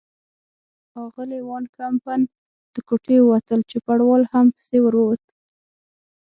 اغلې وان کمپن له کوټې ووتل، چوپړوال هم پسې ور ووت.